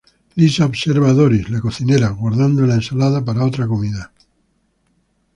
Lisa observa a Doris, la cocinera, guardando la ensalada para otra comida.